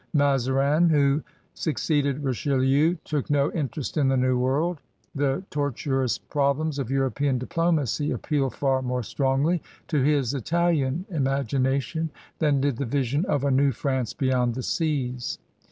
Mazarin, who succeeded Riche lieu, took no interest in the New World: the 8 CRUSADERS OF NEW PRANCE tortuous problems of European diplomacy ap pealed far more strongly to his Italian imagination than did the vision of a New France beyond the seas.